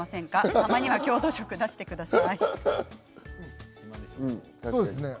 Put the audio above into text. たまには郷土色を出してください。